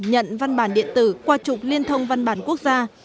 nhận văn bản điện tử qua trục liên thông văn bản quốc gia